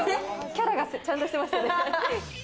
キャラがちゃんとしてましたね。